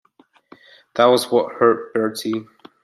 That was what hurt, Bertie.